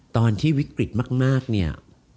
ตอนที่วิกฤตมากเนี่ย